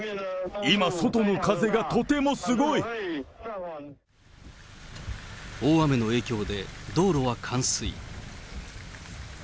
今、外の風がとてもすごい。大雨の影響で、道路は冠水。